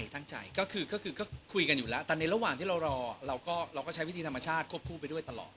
ตั้งใจก็คือก็คุยกันอยู่แล้วแต่ในระหว่างที่เรารอเราก็ใช้วิธีธรรมชาติควบคู่ไปด้วยตลอด